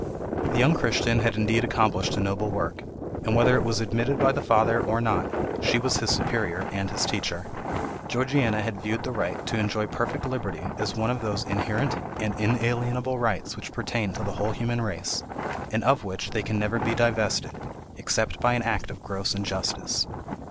The young Christian had indeed accomplished a noble work; and whether it was admitted by the father, or not, she was his superior and his teacher. Georgiana had viewed the right to enjoy perfect liberty as one of those inherent and inalienable rights which pertain to the whole human race, and of which they can never be divested, except by an act of gross injustice.